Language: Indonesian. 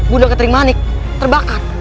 bunda kuntri manik terbakar